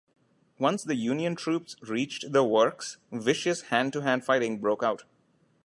Once the Union troops reached the works, vicious hand-to-hand fighting broke out.